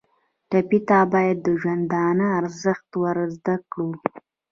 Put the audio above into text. ټپي ته باید د ژوندانه ارزښت ور زده کړو.